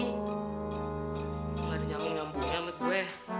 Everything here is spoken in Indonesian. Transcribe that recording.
gak ada nyambung nyambungnya men gue